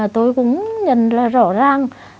tôi cũng nhận ra rõ ràng